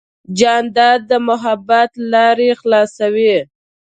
جانداد د محبت لارې خلاصوي.